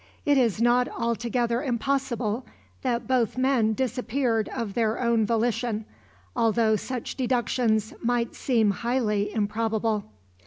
It is not altogether impossible that both men disappeared of their own volition, although such deductions might seem highly improbable.